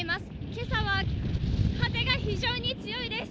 今朝は風が非常に強いです。